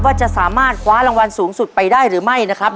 ว่าจะสามารถคว้ารางวัลสูงสุดไปได้หรือไม่นะครับ